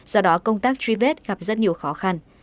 do đó công tác truy vết gặp rất nhiều khó khăn